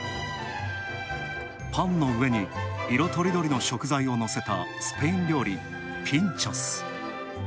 パンの上に、色とりどりの食材をのせたスペイン料理、ピンチョス。